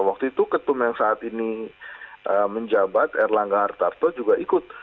waktu itu ketum yang saat ini menjabat erlangga hartarto juga ikut